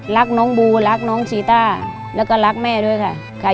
รักน้องบูรักน้องชีต้าแล้วก็รักแม่ด้วยค่ะ